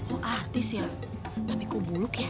oh artis ya tapi kubuluk ya